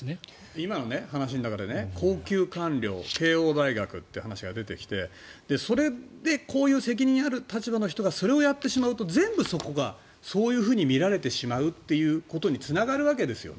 今の話の中で高級官僚慶応大学という話が出てきてそれでこういう責任ある立場の人がそれをやってしまうと全部そこがそういうふうに見られてしまうということにつながるわけですよね。